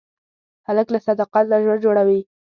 هلک له صداقت نه ژوند جوړوي.